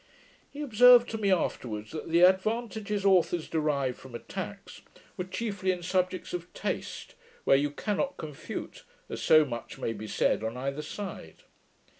"' He observed to me afterwards, that the advantages authours derived from attacks, were chiefly in subjects of taste, where you cannot confute, as so much may be said on either side.